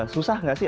susah nggak sih